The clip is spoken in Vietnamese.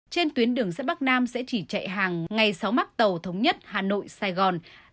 trên tuyến đường sắt bắc nam sẽ chỉ chạy hàng ngay sáu mắc tàu thống nhất hà nội sài gòn